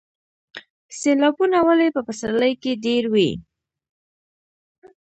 سیلابونه ولې په پسرلي کې ډیر وي؟